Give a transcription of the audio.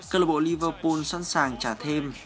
cơ lợi bộ liverpool sẵn sàng trả thêm